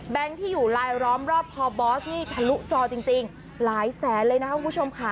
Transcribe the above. ที่อยู่ลายล้อมรอบคอบอสนี่ทะลุจอจริงหลายแสนเลยนะคะคุณผู้ชมค่ะ